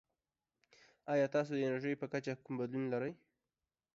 ایا تاسو د انرژي په کچه کې کوم بدلون لرئ؟